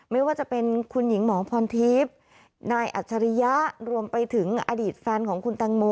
ไม่ว่าจะเป็นคุณหญิงหมอพรทิพย์นายอัจฉริยะรวมไปถึงอดีตแฟนของคุณแตงโม